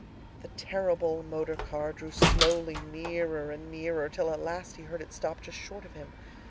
The terrible motor car drew slowly nearer and nearer, till at last he heard it stop just short of him.